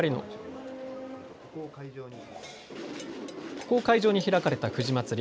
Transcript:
ここを会場に開かれた藤まつり。